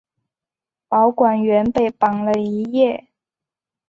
保管员被绑了一夜。